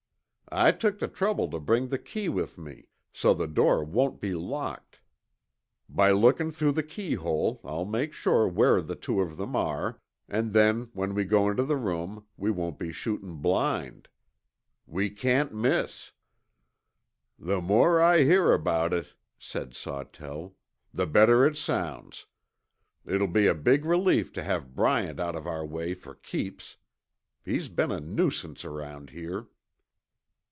I took the trouble to bring the key with me, so the door won't be locked. By lookin' through the keyhole I'll make sure where the two of them are, an' then when we go into the room we won't be shootin' blind. We can't miss." "The more I hear about it," said Sawtell, "the better it sounds. It'll be a big relief to have Bryant out of our way for keeps. He's been a nuisance around here."